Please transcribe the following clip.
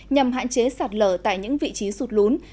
nhằm hạn chế sạt lở tại những vị trí sụt lún